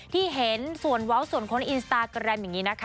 ที่เห็นส่วนเว้าส่วนคนอินสตาแกรมอย่างนี้นะคะ